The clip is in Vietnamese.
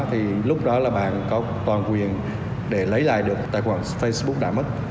thì lúc đó là bạn có toàn quyền để lấy lại được tài khoản facebook đã mất